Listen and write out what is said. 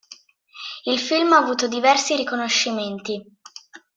Il film ha avuto diversi riconoscimenti.